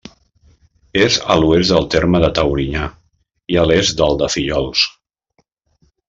És a l'oest del terme de Taurinyà i a l'est del de Fillols.